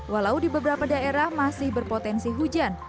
walau di beberapa daerah masih berpotensi hujan